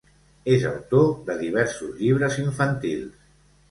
És autor de diversos llibres infantils.